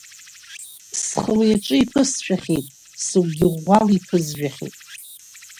Схы уи аҿы иԥысшәахьеит, сыгәгьы ӷәӷәала иԥызжәахьеит.